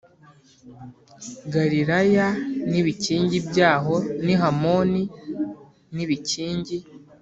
Galilaya n ibikingi byaho n i Hamoni n ibikingi